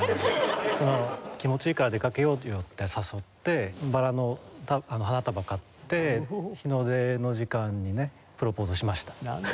「気持ちいいから出かけようよ」って誘ってバラの花束買って日の出の時間にねプロポーズをしました。